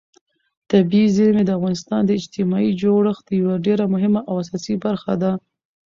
طبیعي زیرمې د افغانستان د اجتماعي جوړښت یوه ډېره مهمه او اساسي برخه ده.